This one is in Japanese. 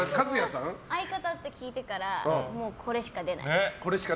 相方って聞いてからこれしか出ない。